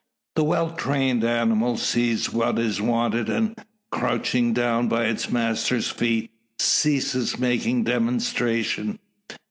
The well trained animal sees what is wanted; and, crouching down by its master's feet, ceases making demonstration.